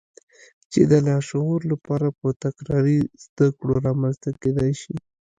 چې د لاشعور لپاره په تکراري زدهکړو رامنځته کېدای شي.